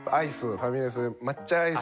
ファミレスで抹茶アイス。